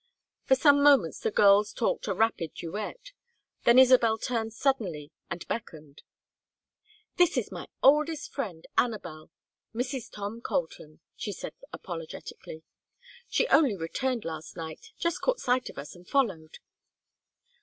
For some moments the girls talked a rapid duet, then Isabel turned suddenly and beckoned. "This is my oldest friend, Anabel Mrs. Tom Colton," she said, apologetically. "She only returned last night just caught sight of us, and followed."